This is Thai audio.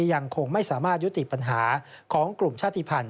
ยังคงไม่สามารถยุติปัญหาของกลุ่มชาติภัณฑ